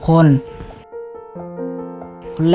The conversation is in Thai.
คนแรกคือถา